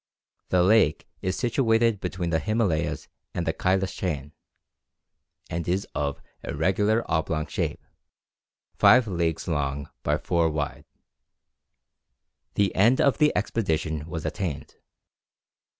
The lake is situated between the Himalayas and the Cailas chain, and is of irregular oblong shape, five leagues long by four wide. The end of the expedition was attained.